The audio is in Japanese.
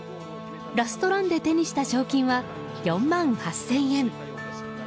ラストランで手にした賞金は４万８０００円。